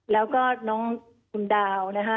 แล้วก็น้องคุณดาวนะฮะ